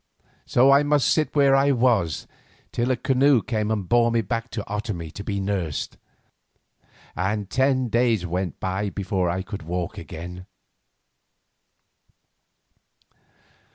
So I must sit where I was till a canoe came and bore me back to Otomie to be nursed, and ten days went by before I could walk again.